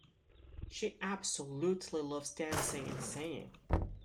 She absolutely loves dancing and singing.